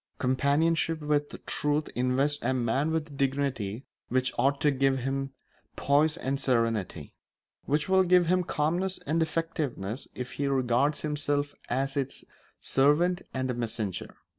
Companionship with truth invests a man with a dignity which ought to give him poise and serenity; which will give him calmness and effectiveness if he regards himself as its servant and messenger.